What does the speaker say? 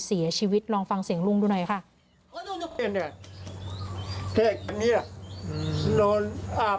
เสียชีวิตลองฟังเสียงลุงดูหน่อยค่ะ